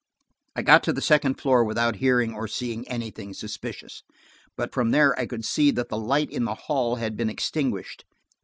I got to the second floor without hearing or seeing anything suspicious, but from there I could see that the light in the hall had been extinguished.